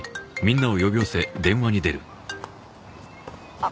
・あっ